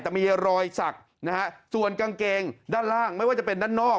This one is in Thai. แต่มีรอยสักนะฮะส่วนกางเกงด้านล่างไม่ว่าจะเป็นด้านนอก